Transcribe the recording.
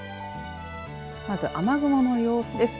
まず、雨雲の様子です。